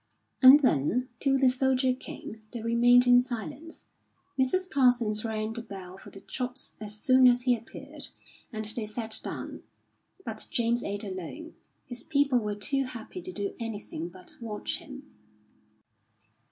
And then, till the soldier came, they remained in silence. Mrs. Parsons rang the bell for the chops as soon as he appeared, and they sat down; but James ate alone. His people were too happy to do anything but watch him.